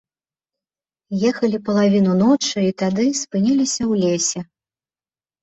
Ехалі палавіну ночы і тады спыніліся ў лесе.